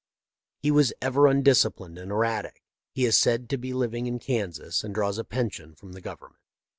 He was ever undisciplined and erratic. He is said to be living in Kansas, and draws a pension from the Gov ernment.